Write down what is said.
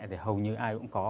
thì hầu như ai cũng có